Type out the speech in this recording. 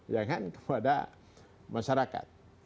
ya kan kepada masyarakat